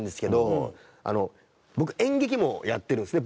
僕演劇もやってるんですね。